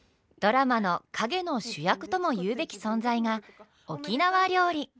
ドラマの陰の主役ともいうべき存在が沖縄料理。